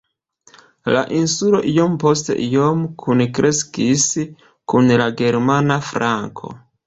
La insulo iom post iom kunkreskis kun la germana flanko.